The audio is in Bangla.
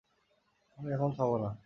আমি এখন খাব না!